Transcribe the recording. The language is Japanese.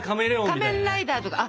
仮面ライダーとか。